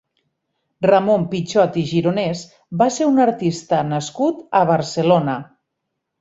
Ramon Pichot i Gironès va ser un artista nascut a Barcelona.